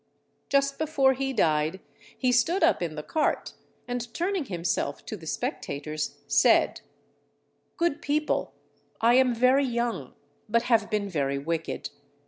Just before he died he stood up in the cart, and turning himself to the spectators, said, _Good people, I am very young, but have been very wicked.